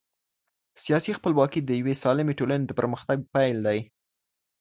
سياسي خپلواکي د يوې سالمي ټولني د پرمختګ پيل دی.